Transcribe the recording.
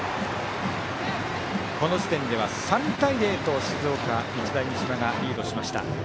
この時点では３対０と静岡・日大三島がリードしました。